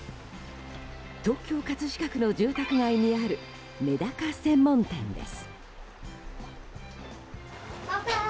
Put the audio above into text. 東京・葛飾区の住宅街にあるメダカ専門店です。